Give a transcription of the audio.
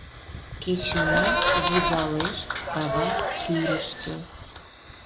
Кечына вузалеш кава тӱрыштӧ.